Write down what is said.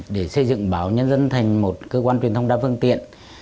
để xây dựng báo nhân dân thành một cơ quan truyền thông đa phương tiện